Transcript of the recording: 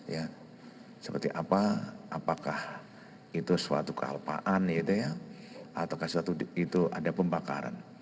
ya seperti apa apakah itu suatu kealpaan ya itu ya ataukah suatu itu ada pembakaran